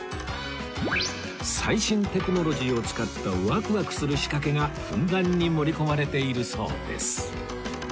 最新テクノロジーを使ったワクワクする仕掛けがふんだんに盛り込まれているそうです